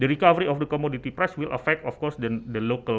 penyelamat dari harga komoditas akan mengalami ekonomi lokal